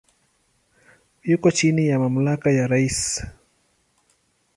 Yuko chini ya mamlaka ya rais.